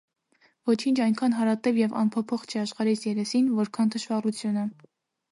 Ոչինչ այնքան հարատև և անփոփոխ չէ աշխարհիս երեսին, որքան թշվառությունը: